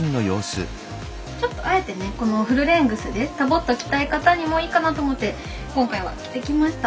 ちょっとあえてねこのフルレングスでダボッと着たい方にもいいかなと思って今回は着てきました。